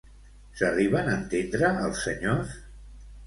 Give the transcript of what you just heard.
S'arriben a entendre els senyors?